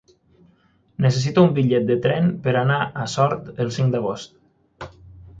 Necessito un bitllet de tren per anar a Sort el cinc d'agost.